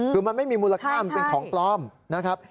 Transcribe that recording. คือมันไม่มีมูลค่ามันเป็นของปลอมนะครับ